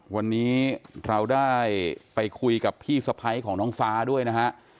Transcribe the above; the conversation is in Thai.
วันนี้เราได้ไปคุยกับพี่สะพ้ายของน้องฟ้าด้วยนะฮะ